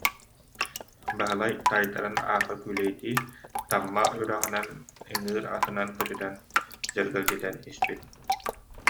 Баһылай таайдарын аахха күүлэйдии Тамма үрэҕинэн ыҥыыр атынан көтүтэн, дьэргэлдьитэн испит